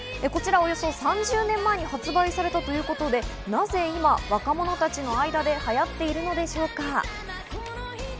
こちら、およそ３０年前に発売されたということで、なぜ今、若者たちの間で流行っているのでしょうか？